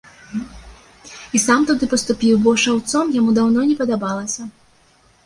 І сам туды паступіў, бо шаўцом яму даўно не падабалася.